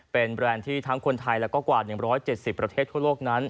เป็นแบรนด์ที่ทั้งคนไทยและก็กว่า๑๗๐ประเทศทั่วโลกนั้น